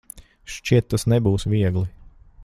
Šķiet, tas nebūs viegli.